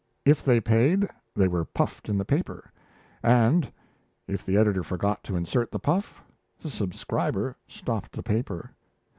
If they paid, they were puffed in the paper; and if the editor forgot to insert the puff, the subscriber stopped the paper!